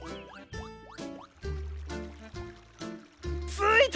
ついた！